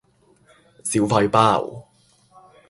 小廢包